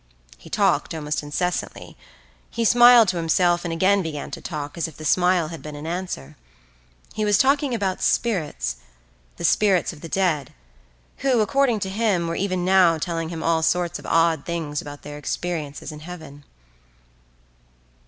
He talked almost incessantly; he smiled to himself and again began to talk, as if the smile had been an answer. He was talking about spirits—the spirits of the dead, who, according to him, were even now telling him all sorts of odd things about their experiences in Heaven.